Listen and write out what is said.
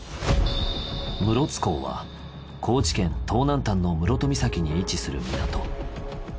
室津港は高知県東南端の室戸岬に位置する港